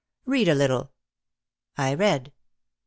"Read a little." I read.